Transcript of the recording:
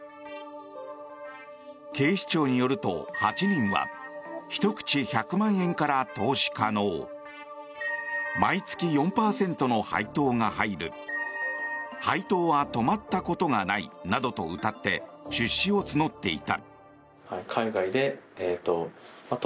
警視庁によると、８人は１口１００万円から投資可能毎月４％の配当が入る配当は止まったことがないなどとうたって出資を募っていた。